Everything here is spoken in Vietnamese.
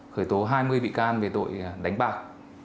khởi tố hai mươi bị can về tội đánh bạc